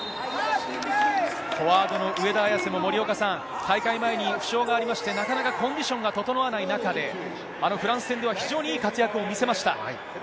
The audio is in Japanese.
フォワードの上田綺世も、森岡さん、開会前に負傷がありまして、なかなかコンディションが整わない中で、あのフランス戦では非常にいい活躍を見せました。